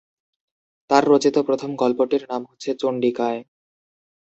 তার রচিত প্রথম গল্পটির নাম হচ্ছে চণ্ডিকায়।